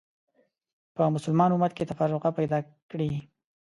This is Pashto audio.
په مسلمان امت کې تفرقه پیدا کړې